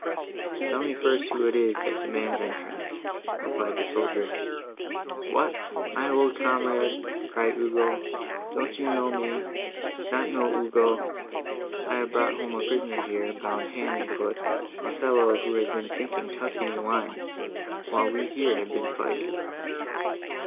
"Tell me first who it is, that demands entrance," replied the soldier. "What! my old comrade," cried Ugo, "don't you know me? not know Ugo? I have brought home a prisoner here, bound hand and foot—a fellow, who has been drinking Tuscany wine, while we here have been fighting."